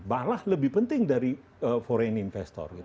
malah lebih penting dari foreign investor